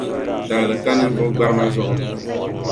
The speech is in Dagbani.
Taali ka ninvuɣu gbarima zuɣu.